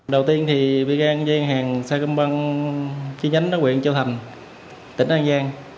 đầu tiên thì bị găng dây hàng sa công băng chi nhánh đó huyện châu thành tỉnh an giang